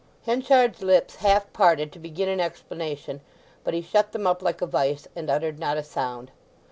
Henchard's lips half parted to begin an explanation. But he shut them up like a vice, and uttered not a sound.